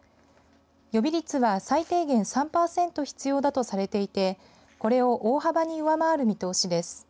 予備率は最低限３パーセント必要だとされていてこれを大幅に上回る見通しです。